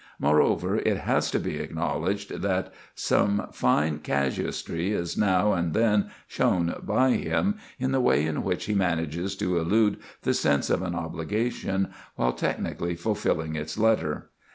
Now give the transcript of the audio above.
Moreover, it has to be acknowledged that some fine casuistry is now and then shown by him in the way in which he manages to elude the sense of an obligation while technically fulfilling its letter.